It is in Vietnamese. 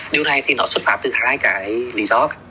điều này thì nó xuất phát từ hai cái lý do